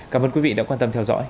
cảm ơn quý vị đã quan tâm theo dõi